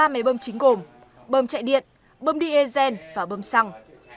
ba máy bơm chính gồm bơm chạy điện bơm đi e gen và bơm xăng